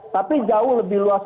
tapi jauh lebih luas